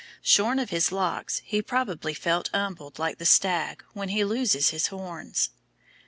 Shorn of his locks he probably felt humbled like the stag when he loses his horns.